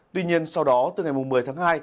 tuy nhiên sau đó từ ngày một mươi tháng hai